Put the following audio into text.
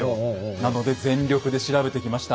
なので全力で調べてきました。